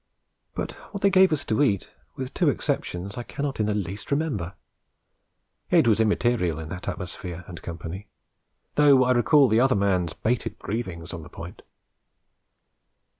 But what they gave us to eat, with two exceptions, I cannot in the least remember; it was immaterial in that atmosphere and company, though I recall the other man's bated breathings on the point.